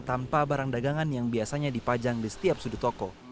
tanpa barang dagangan yang biasanya dipajang di setiap sudut toko